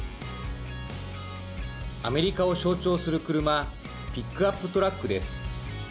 アメリカを象徴する車ピックアップトラックです。